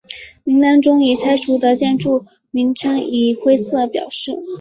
名单中已拆除的建筑名称以灰色表示。